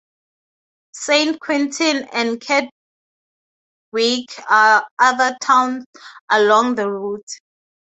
Saint-Quentin and Kedgwick are other towns along the route.